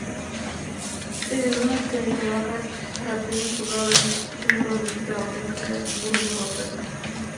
Теве нунак, пионер-влакак, рат дене шогалын, тӱмырым пералтен каят, мурым муралтат.